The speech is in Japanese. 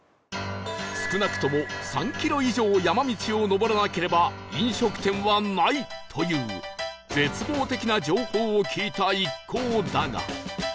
少なくとも３キロ以上山道を上らなければ飲食店はないという絶望的な情報を聞いた一行だが